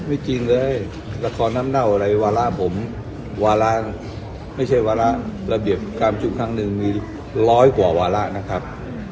จริงเลยละครน้ำเน่าอะไรวาระผมวาระไม่ใช่วาระระเบียบการประชุมครั้งหนึ่งมีร้อยกว่าวาระนะครับ